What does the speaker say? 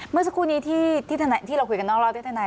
เมื่อสักครู่นี้ที่เราคุยกันนอกรอบที่ทนาย